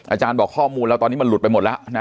อาจารย์บอกข้อมูลเราตอนนี้มันหลุดไปหมดแล้วนะ